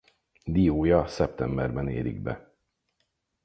Diója szeptemberben érik be.